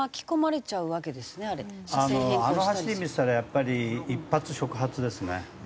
あの走り見てたらやっぱり一触即発ですね。